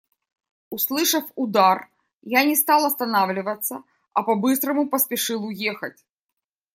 Услышав удар, я не стал останавливаться, а по-быстрому поспешил уехать.